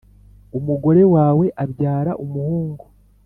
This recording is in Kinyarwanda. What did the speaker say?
umugore wawe abyara umuhungu